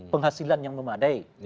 penghasilan yang memadai